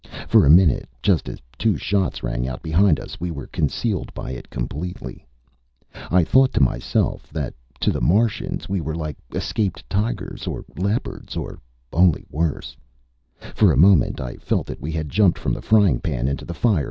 For a minute, just as two shots rang out behind us, we were concealed by it completely. I thought to myself that, to the Martians, we were like escaped tigers or leopards only worse. For a moment I felt that we had jumped from the frying pan into the fire.